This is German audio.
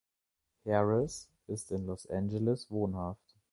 Harris ist in Los Angeles wohnhaft.